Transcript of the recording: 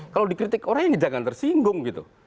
kalau dikritik orang ini jangan tersinggung gitu